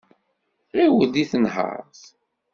Ɣiwel deg tenhaṛt.